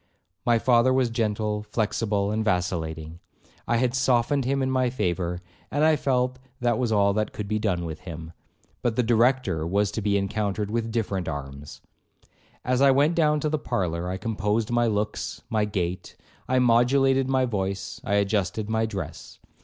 My father was gentle, flexible, and vacillating. I had softened him in my favour, and I felt that was all that could be done with him. But the Director was to be encountered with different arms. As I went down to the parlour, I composed my looks, my gait, I modulated my voice, I adjusted my dress.